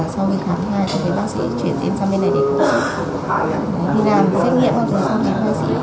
sau khi khám hai thì bác sĩ chuyển em sang bên này để đi làm xét nghiệm